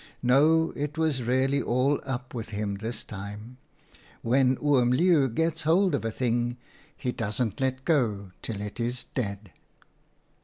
No, it was really all up with him this time ! When Oom Leeuw gets hold of a thing, he doesn't let go till it is dead.